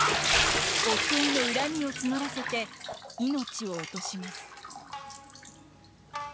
夫への恨みを募らせて命を落とします。